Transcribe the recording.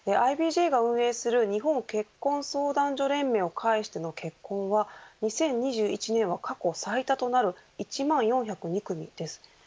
ＩＢＪが運営する日本結婚相談所連盟を介しての結婚は２０２１年は過去最多となる１万４０２組です。